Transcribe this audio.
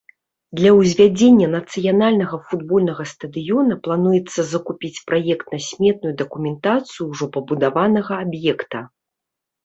Для ўзвядзення нацыянальнага футбольнага стадыёна плануецца закупіць праектна-сметную дакументацыю ўжо пабудаванага аб'екта.